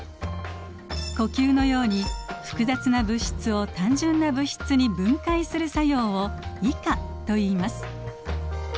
呼吸のように複雑な物質を単純な物質に分解する作用を「異化」といいます。